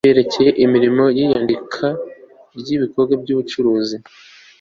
byerekeye imirimo y iyandika ry ibikorwa by ubucuruzi